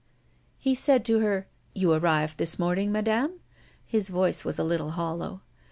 He said to her: "You arrived this morning, Madame?" His voice was a little hollow.